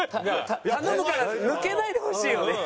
頼むから抜けないでほしいよね。